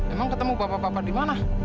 emang ketemu bapak bapak di mana